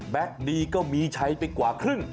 คดีก็มีใช้ไปกว่าครึ่ง